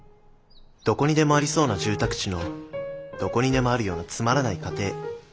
どこにでもありそうな住宅地のどこにでもあるようなつまらない家庭。